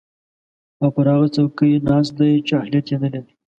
او پر هغه څوکۍ ناست دی چې اهلیت ېې نلري